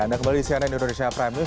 anda kembali di cnn indonesia prime news